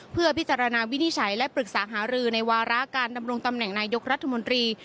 เพื่อพิจารณาวินิจฉัยและปรึกษาหารือในวาระการดำรงตำแหน่งนายยกรัฐมนตรี